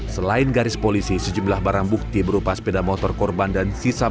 selain garis polisi sejumlah barang bukti berupa sepeda motor korban dan sisa mobil